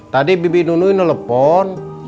tadi bibi nunu ini telepon